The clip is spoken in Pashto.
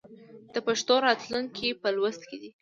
د پښتو راتلونکی په لوست کې دی.